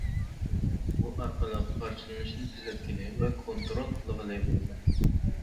بۇ ئارقىلىق پارچىلىنىشنى تېزلەتكىلى ۋە كونترول قىلغىلى بولىدۇ.